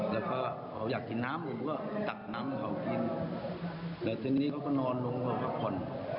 หวังว่ากินน้ำแล้วก็สับข้ากากเขากิน